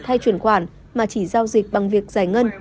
hay chuyển khoản mà chỉ giao dịch bằng việc giải ngân